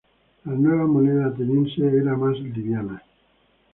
La nueva moneda ateniense era más liviana.